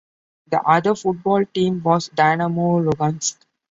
The other football team was Dynamo Luhansk.